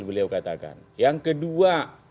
beliau katakan yang kedua